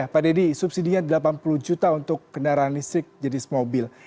pak deddy subsidinya delapan puluh juta untuk kendaraan listrik jenis mobil